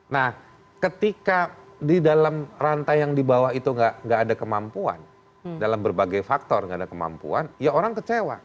nah ketika di dalam rantai yang di bawah itu nggak ada kemampuan dalam berbagai faktor gak ada kemampuan ya orang kecewa